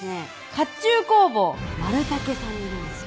甲冑工房丸武さんにいるんですよ